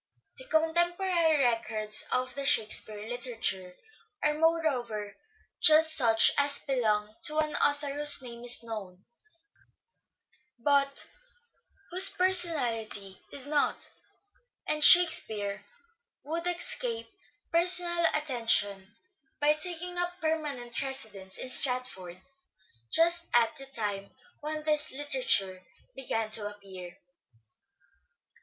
The contemporary records of the " Shakespeare " literature are moreover just such as belong to an author whose name is known but whose personality is not ; and Shakspere would THE STRATFORDIAN VIEW 67 escape personal attention by taking up permanent residence in Stratford just at the time when this literature began to appear.